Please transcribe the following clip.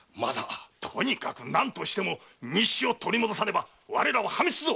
とにかく何としても日誌を取り戻さねば我らは破滅ぞ！